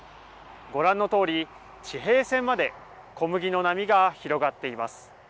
ご覧のとおり地平線まで小麦の波が広がっています。